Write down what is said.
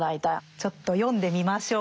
ちょっと読んでみましょう。